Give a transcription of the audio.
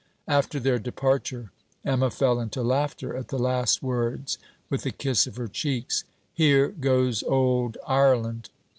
After their departure, Emma fell into laughter at the last words with the kiss of her cheeks: 'Here goes old Ireland!'